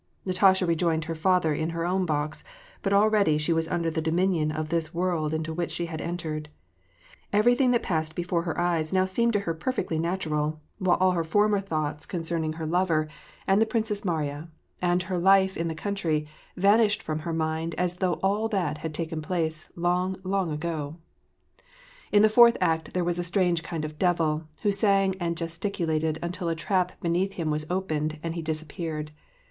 Natasha rejoined her father in her own box, but already she was under the dominion of this world into which she had entered. Everything that passed before her eyes now seemed to her perfectly natural, while all her former thoughts concern * Vous terez la plus Jolie. VeneZf ckere comtessef et comme gage donncz mat cette/Uur* 848 ^^^^^^ PEACE. ing her lover, and the Princess Mariya, and her life in the country, vanished from her mind as though all that had taken place long, long ago. In the fourth act there was a strange kind of devil, who sang and gesticulated until a trap beneath him was opened, and he disappeared.